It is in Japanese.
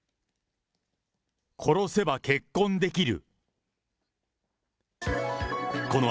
殺せば結婚できる。